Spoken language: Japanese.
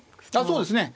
そうですね。